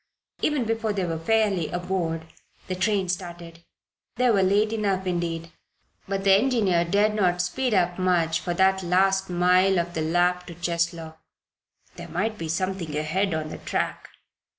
Even before they were fairly aboard, the train started. They were late enough, indeed! But the engineer dared not speed up much for that last mile of the lap to Cheslow. There might be something ahead on the track.